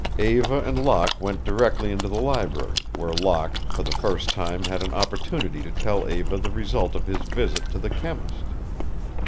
Eva and Locke went directly into the library, where Locke for the first time had an opportunity to tell Eva the result of his visit to the chemist.